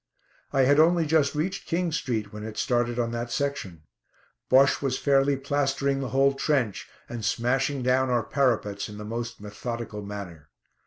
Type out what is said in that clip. I had only just reached King Street, when it started on that section. Bosche was fairly plastering the whole trench, and smashing down our parapets in the most methodical manner.